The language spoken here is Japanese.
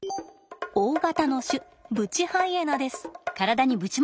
大型の種ブチハイエナです。